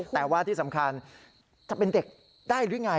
แต่ว่าที่สำคัญจะเป็นเด็กได้หรือไง